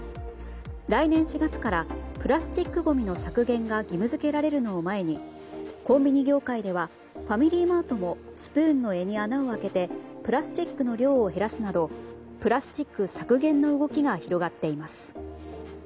来年４月からプラスチックごみの削減が義務付けられるのを前にコンビニ業界ではファミリーマートもスプーンの柄に穴を開けてプラスチックの量を減らすなどプラスチック削減の動きが広がっています。